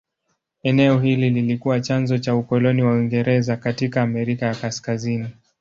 Eneo hili lilikuwa chanzo cha ukoloni wa Uingereza katika Amerika ya Kaskazini.